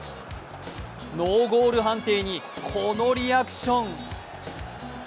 ノーゴール判定にこのリアクション。